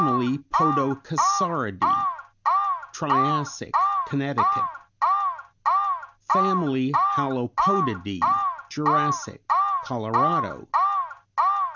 Podokesauridæ Triassic, Connecticut. " Hallopodidæ Jurassic, Colorado.